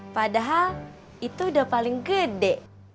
padahal itu udah paling gede